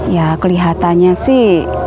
ya kelihatannya sih